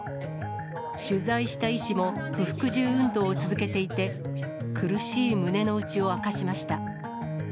取材した医師も不服従運動を続けていて、苦しい胸の内を明かしました。